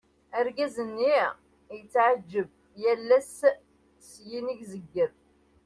Argaz-nni yetɛeğğeb, yal ass syin i zegger.